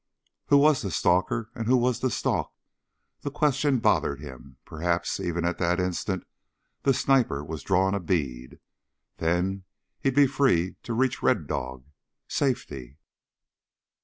Who was the stalker and who was the stalked? The question bothered him. Perhaps even at that instant the sniper was drawing bead. Then he'd be free to reach Red Dog safety.